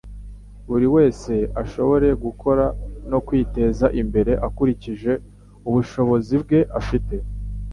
buri wese ashobore gukora no kwiteza imbere akurikije ubushobozi bwe afite.